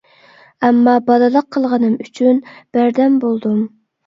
ئەمما بالىلىق قىلغىنىم ئۈچۈن بەردەم بولدۇم.